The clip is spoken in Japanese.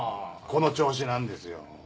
この調子なんですよ。